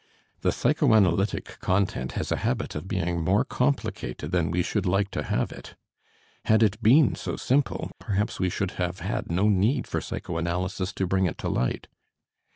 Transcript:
The psychoanalytic content has a habit of being more complicated than we should like to have it. Had it been so simple, perhaps we should have had no need for psychoanalysis to bring it to light.